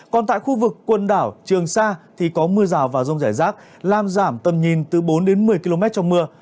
còn tại khu vực quần đảo trường sa thì có mưa rào và rông rải rác làm giảm tầm nhìn từ bốn đến một mươi km trong mưa